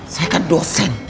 saya kan dosen